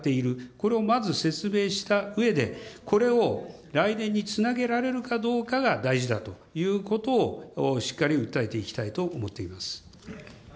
これをまず説明したうえで、これを来年につなげられるかどうかが大事だということを、しっかり訴えていきたいと思っています。